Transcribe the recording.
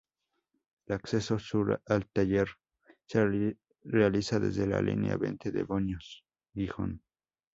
El acceso sur al taller se realiza desde la línea Venta de Baños-Gijón.